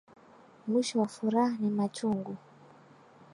Mwisho wa furah ni machungu